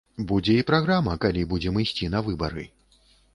Будзе і праграма, калі будзем ісці на выбары.